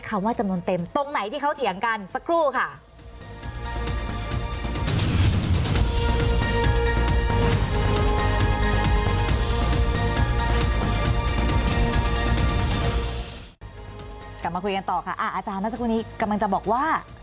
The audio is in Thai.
กลับมาคุยกันต่ออาจารย์เอ้าจักรกันี้กำลังจะบอกว่า